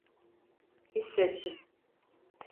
Hissettim.